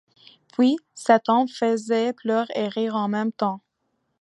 Puis cet homme faisait pleurer et rire en même temps.